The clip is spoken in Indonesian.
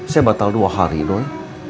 saya batal dua hari non